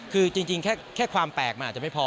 คือจริงแค่ความแปลกมันอาจจะไม่พอ